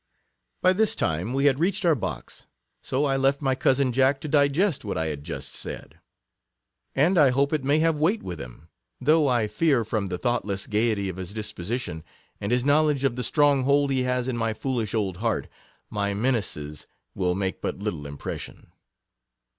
By this time we had reached our box, so I left my cousin Jack to digest what I had just 46 said ; and I hope it may have weight with him ; though I fear, from the thoughtless gaiety of his disposition, and his knowledge of the strong hold he has in my foolish old heart, my menaces will make but little im pression.